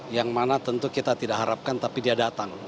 yang mana tentu kita tidak harapkan tapi dia datang